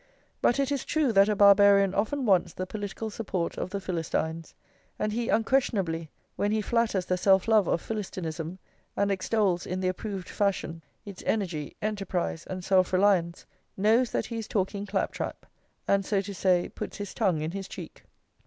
But it is true that a Barbarian often wants the political support of the Philistines; and he unquestionably, when he flatters the self love of Philistinism, and extols, in the approved fashion, its energy, enterprise, and self reliance, knows that he is talking clap trap, and, so to say, puts his tongue in his cheek.